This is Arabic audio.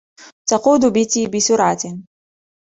تقود بتي بسرعة.